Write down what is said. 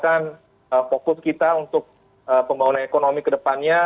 kita bisa memperlimalkan fokus kita untuk pembangunan ekonomi ke depannya